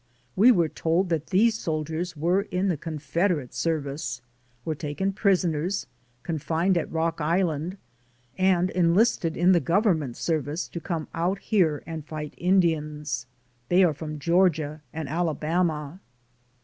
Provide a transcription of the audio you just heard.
We were told that these soldiers were in the Confederate service, were taken prisoners, confined at Rock Island, and enlisted in the Government serv ice to come out here and fight Indians. They are from Georgia and Alabama.